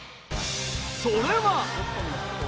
それは。